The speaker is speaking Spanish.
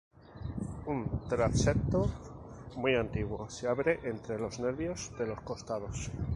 Un transepto muy antiguo se abre entre los nervios de los costados.